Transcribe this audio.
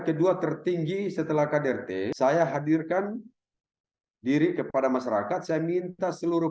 kedua tertinggi setelah kdrt saya hadirkan diri kepada masyarakat saya minta seluruh